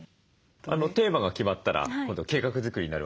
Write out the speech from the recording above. テーマが決まったら今度計画作りになるわけですよね。